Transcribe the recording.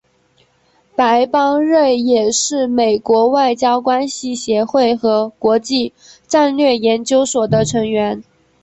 白邦瑞也是美国外交关系协会和国际战略研究所的成员。